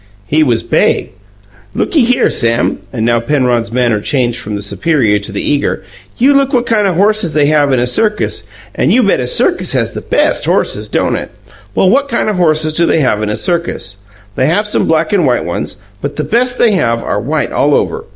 "He was bay. Looky here, Sam" and now Penrod's manner changed from the superior to the eager "you look what kind of horses they have in a circus, and you bet a circus has the BEST horses, don't it? Well, what kind of horses do they have in a circus? They have some black and white ones; but the best they have are white all over.